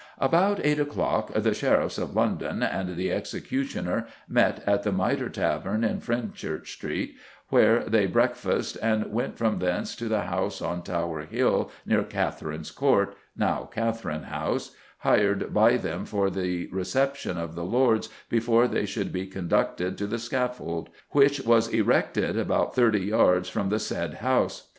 "About 8 o'clock the Sheriffs of London ... and the executioner met at the Mitre Tavern in Fenchurch Street, where they breakfasted, and went from thence to the house, on Tower Hill near Catherine's Court [now Catherine House], hired by them for the reception of the lords before they should be conducted to the scaffold, which was erected about thirty yards from the said house.